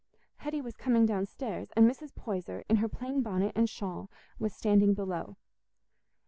Hetty was coming downstairs, and Mrs. Poyser, in her plain bonnet and shawl, was standing below.